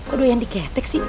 aduh yang diketek sih